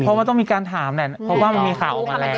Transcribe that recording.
เพราะว่าต้องมีการถามแหละเพราะว่ามันมีข่าวออกมาแล้ว